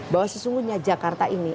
bahwa sesungguhnya jakarta ini